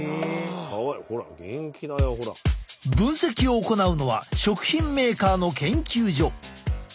分析を行うのは食品メーカーの研究所。